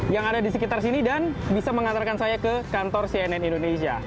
yang ada di sekitar sini dan bisa mengantarkan saya ke kantor cnn indonesia